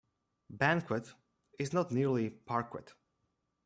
Banquet is not nearly parquet